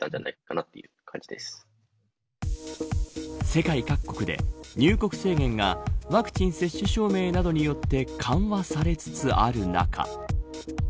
世界各国で入国制限がワクチン接種証明などによって緩和されつつある中